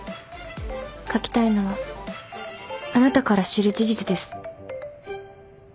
書きたいのはあなたから知る事実です。